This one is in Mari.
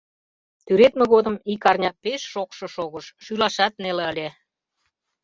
Тӱредме годым ик арня пеш шокшо шогыш, шӱлашат неле ыле.